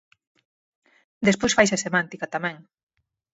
Despois faise semántica tamén.